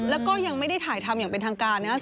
แล้วก็ยังไม่ได้ถ่ายทำอย่างเป็นทางการนะครับ